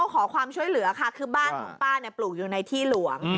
ขอความช่วยเหลือค่ะคือบ้านของป้าปลูกอยู่ในที่หลวง